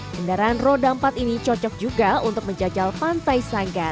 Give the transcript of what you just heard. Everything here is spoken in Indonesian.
kendaraan roda empat ini cocok juga untuk menjajal pantai sanggar